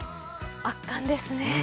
圧巻ですね。